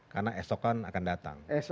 karena esokan akan datang